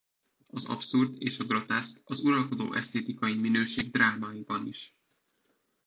Az abszurd és a groteszk az uralkodó esztétikai minőség drámáiban is.